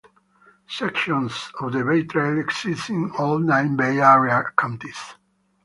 Sections of the Bay Trail exist in all nine Bay Area counties.